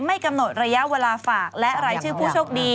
ไม่กำหนดระยะเวลาฝากและรายชื่อผู้โชคดี